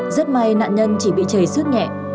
rất may nạn nhân chỉ bị chảy sức nhẹ